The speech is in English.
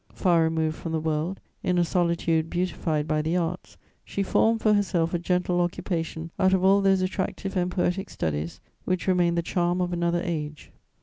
Far removed from the world, in a solitude beautified by the arts, she formed for herself a gentle occupation out of all those attractive and poetic studies which remain the charm of another age.